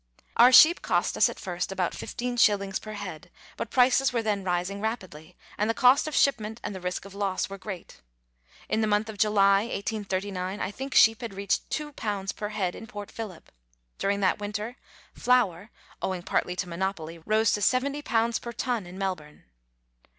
Our sheep cost us at first about 15s. per head, but prices were then rising rapidly, and the cost of shipment and the risk of loss were great. In the month of July 1839, 1 think sheep had reached 2 per head in Port Phillip. During that winter, flour, owing partly to monopoly, rose to 70 per ton in Melbourne.